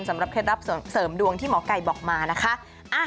สำหรับเคล็ดรับเสริมดวงที่หมอกไก่บอกมานะคะ